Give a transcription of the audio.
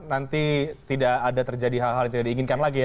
nanti tidak ada terjadi hal hal yang tidak diinginkan lagi ya